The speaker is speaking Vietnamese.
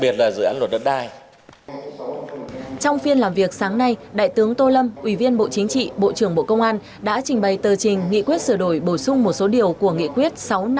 trong phiên làm việc sáng nay đại tướng tô lâm ủy viên bộ chính trị bộ trưởng bộ công an đã trình bày tờ trình nghị quyết sửa đổi bổ sung một số điều của nghị quyết sáu trăm năm mươi bảy hai nghìn một mươi chín